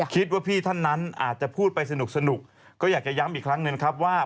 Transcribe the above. คิดว่าพี่ท่านนั้นอาจจะพูดไปสนุกก็อยากจะย้ำอีกครั้งหนึ่งครับว่า